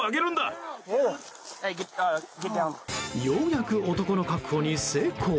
ようやく男の確保に成功。